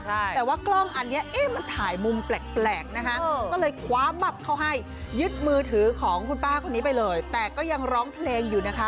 แต่ว่ากล้องอันนี้เอ๊ะมันถ่ายมุมแปลกนะคะก็เลยคว้ามับเขาให้ยึดมือถือของคุณป้าคนนี้ไปเลยแต่ก็ยังร้องเพลงอยู่นะคะ